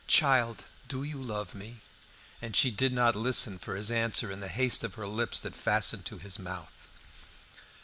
"Child, do you love me?" And she did not listen for his answer in the haste of her lips that fastened to his mouth.